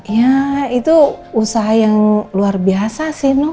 ya itu usaha yang luar biasa sih nok